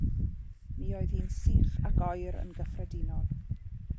Mi oedd hi'n sych ac oer yn gyffredinol.